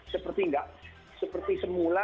seperti enggak seperti semula